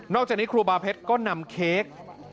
จากนี้ครูบาเพชรก็นำเค้ก